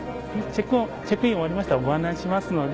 チェックイン終わりましたらご案内しますので。